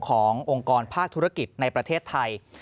องค์กรภาคธุรกิจในประเทศไทย